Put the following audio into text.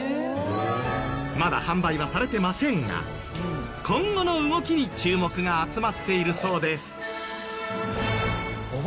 まだ販売はされてませんが今後の動きに注目が集まっているそうです。